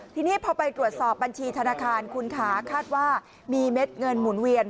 ทีนี้พอไปตรวจสอบบัญชีธนาคารคุณค่ะคาดว่ามีเม็ดเงินหมุนเวียน